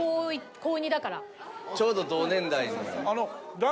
ちょうど同年代。